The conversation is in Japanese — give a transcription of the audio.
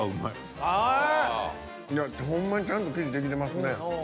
ほんまにちゃんと生地出来てますね。